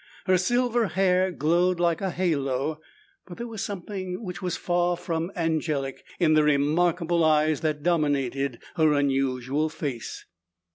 Her silver hair glowed like a halo, but there was something which was far from angelic in the remarkable eyes that dominated her unusual face.